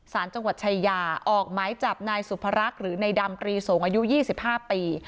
สารจังหวัดชายาออกหมายจับนายสุภรักษ์หรือนายดำตรีส่งอายุยี่สิบห้าปี